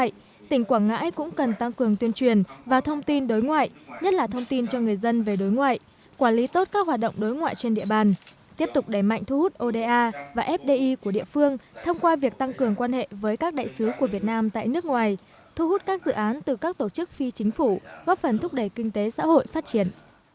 tại quảng ngãi tỉnh quảng ngãi cũng cần tăng cường tuyên truyền và thông tin đối ngoại nhất là thông tin cho người dân về đối ngoại quản lý tốt các hoạt động đối ngoại trên địa bàn tiếp tục đẩy mạnh thu hút oda và fdi của địa phương thông qua việc tăng cường quan hệ với các đại sứ của việt nam tại nước ngoài thu hút các dự án từ các tổ chức phi chính phủ góp phần thúc đẩy kinh tế xã hội phát triển